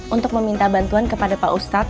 untuk meminta bantuan kepada pak ustadz